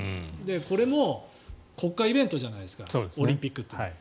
これも国家イベントじゃないですかオリンピックというのは。